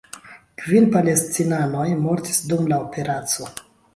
Kvin palestinanoj mortis dum la operaco.